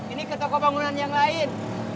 ini ke toko bangunan yang lain